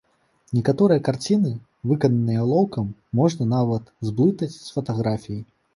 Некаторыя карціны, выкананыя алоўкам, можна нават зблытаць з фатаграфіяй.